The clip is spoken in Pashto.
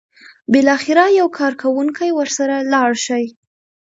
بالاخره یو کارکوونکی ورسره لاړ شي.